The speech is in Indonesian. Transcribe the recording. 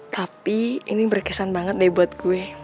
tapi ini berkesan banget deh buat gue